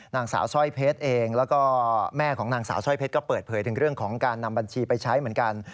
นางสาวสร้อยเพชรเองแล้วก็แม่ของนางสาวสร้อยเพชรก็เปิดเผยถึงเรื่องของการนำบัญชีไปใช้เหมือนกัน